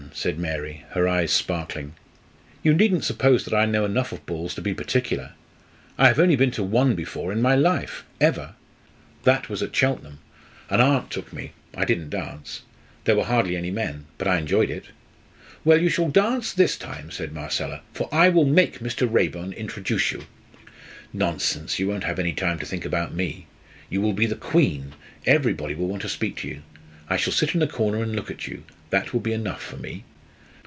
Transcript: said Mary, her eye sparkling. "You needn't suppose that I know enough of balls to be particular. I have only been to one before in my life ever. That was at Cheltenham. An aunt took me I didn't dance. There were hardly any men, but I enjoyed it." "Well, you shall dance this time," said Marcella, "for I will make Mr. Raeburn introduce you." "Nonsense, you won't have any time to think about me. You will be the queen everybody will want to speak to you. I shall sit in a corner and look at you that will be enough for me."